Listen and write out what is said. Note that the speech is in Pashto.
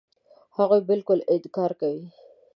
هغوی بالکل انکار کوي.